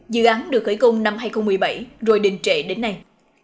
dự án được khởi công năm hai nghìn một mươi bảy rồi đình trệ đến nay